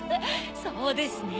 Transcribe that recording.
そうですね。